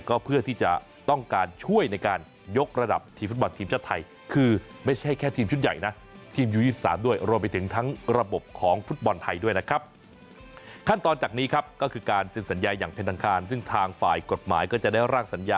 ก็เพื่อที่จะต้องการช่วยการยกระดับทีมฟุตบอลทีมชาติไทย